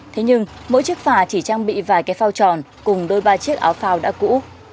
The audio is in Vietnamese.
thế nhưng mỗi chiếc phà chỉ trang bị vài cái phao tròn cùng đôi ba chiếc áo phao đã cũ